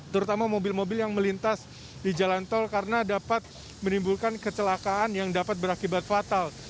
terutama mobil mobil yang melintas di jalan tol karena dapat menimbulkan kecelakaan yang dapat berakibat fatal